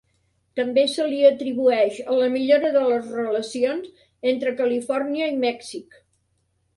També se li atribueix a la millora de les relacions entre Califòrnia i Mèxic.